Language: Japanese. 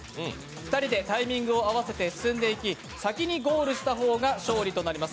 ２人でタイミングを合わせて進んでいき、先にゴールした方が勝利となります。